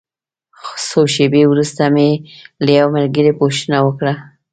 څو شېبې وروسته مې له یوه ملګري پوښتنه وکړه.